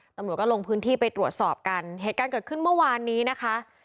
ตำรวจก็ลงพื้นที่ไปตรวจสอบกันเหตุการณ์เกิดขึ้นเมื่อวานนี้นะคะ